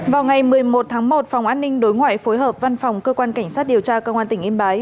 vào ngày một mươi một tháng một phòng an ninh đối ngoại phối hợp văn phòng cơ quan cảnh sát điều tra công an tỉnh yên bái